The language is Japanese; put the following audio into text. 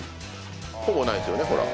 ほぼないですよねほら。